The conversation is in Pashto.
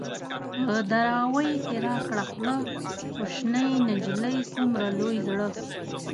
په دراوۍ کې را کړه خوله ـ کوشنۍ نجلۍ څومره لوی زړه